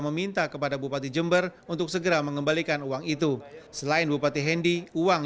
meminta kepada bupati jember untuk segera mengembalikan uang itu selain bupati hendi uang